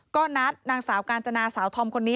ก็นัดนางสาวกาญจนาสาวธอมคนนี้